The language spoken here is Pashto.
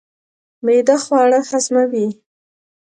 معده خواړه هضموي.